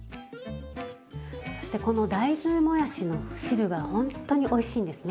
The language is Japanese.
そしてこの大豆もやしの汁がほんとにおいしいんですね。